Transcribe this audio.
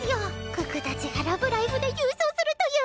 可可たちが「ラブライブ！」で優勝するという！